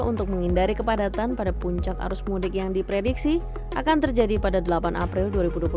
untuk menghindari kepadatan pada puncak arus mudik yang diprediksi akan terjadi pada delapan april dua ribu dua puluh tiga